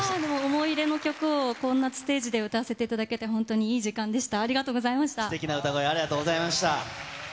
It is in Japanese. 思い出の曲をこんなステージで歌わせていただけて、本当にいい時間でした。